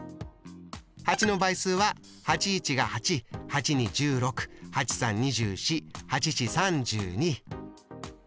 ８の倍数は８１が８８２１６８３２４８４３２。